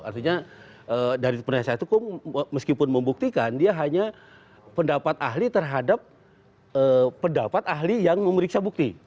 artinya dari penasihat hukum meskipun membuktikan dia hanya pendapat ahli terhadap pendapat ahli yang memeriksa bukti